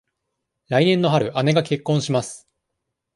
来年の春、姉が結婚します。